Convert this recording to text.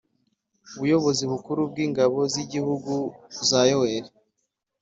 buyobozi bukuru bw'ingabo z'igihugu za yoweri